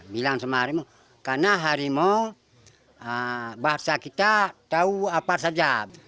bilang sama harimau karena harimau bahasa kita tahu apa saja